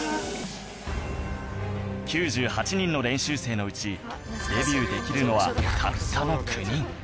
９８人の練習生のうちデビューできるのはたったの９人